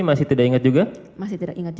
masih tidak ingat juga masih tidak ingat juga